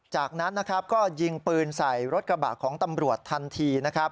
จากนั้นก็ยิงปืนใส่รถกระบะของตำรวจทันที